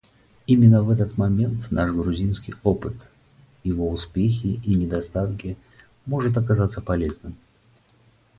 Именно в этот момент наш грузинский опыт — его успехи и недостатки — может оказаться полезным.